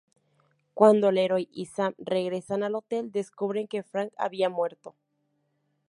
Cuando Leroy y Sam regresan al hotel, descubren que Frank había muerto.